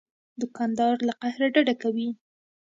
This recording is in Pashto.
دوکاندار له قهره ډډه کوي.